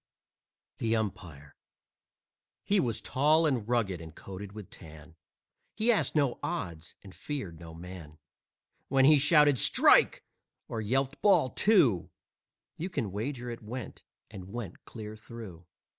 THE UMPIRE He was tall and rugged and coated with tan, He asked no odds and he feared no man. When he shouted "Strike!" or yelped "Ball Two!" You can wager it went, and went clear through.